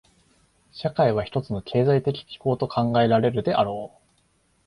社会は一つの経済的機構と考えられるであろう。